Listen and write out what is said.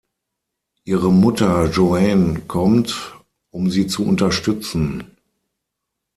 Ihre Mutter Joanne kommt, um sie zu unterstützen.